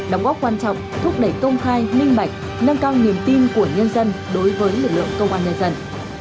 đóng góp quan trọng thúc đẩy công khai minh bạch nâng cao niềm tin của nhân dân đối với lực lượng công an nhân dân